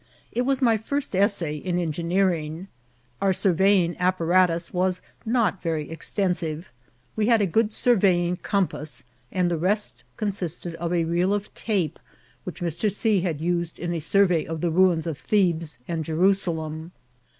It was my first essay in engi« neering. Our surveying apparatus was not very exten« sive. We had a good surveying compass, and the rest ccmsisted of a reel of tape which Mr. C. had used m a survey of the ruins of Thebes and Jerusalem.